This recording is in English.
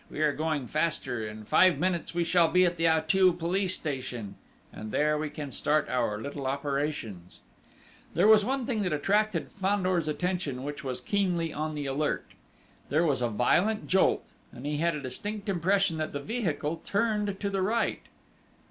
We are going faster in five minutes we shall be at the Auteuil police station, and there we can start our little operations!" There was one thing that attracted Fandor's attention, which was keenly on the alert. There was a violent jolt, and he had a distinct impression that the vehicle turned to the right.